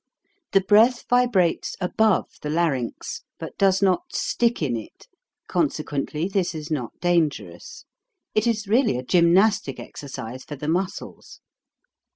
The breath vibrates above the larynx, but does not stick in it, consequently this is not dangerous. It is really a gymnastic exercise for the muscles.